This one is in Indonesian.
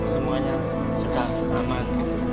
semuanya sudah aman